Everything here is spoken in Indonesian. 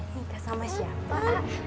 nikah sama siapa